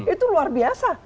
itu luar biasa